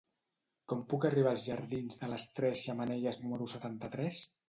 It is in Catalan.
Com puc arribar als jardins de les Tres Xemeneies número setanta-tres?